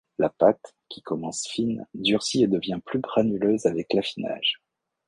La pâte, qui commence fine, durcit et devient plus granuleuse avec l'affinage.